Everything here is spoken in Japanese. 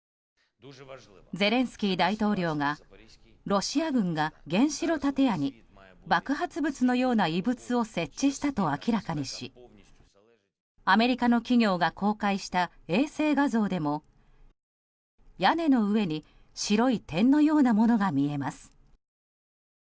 ゼレンスキー大統領がロシア軍が原子炉建屋に爆発物のような異物を設置したと明らかにしアメリカの企業が公開した衛星画像でも屋根の上に白い点のようなものが見えます。